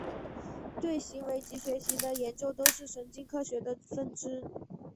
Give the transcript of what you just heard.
对行为及学习的研究都是神经科学的分支。